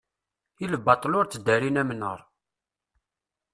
i lbaṭel ur tteddarin amnaṛ